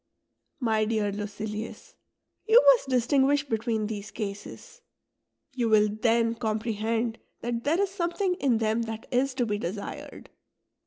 My dear Lucilius, you must distinguish between these cases ; you will then comprehend that there is something in them that is to be desired.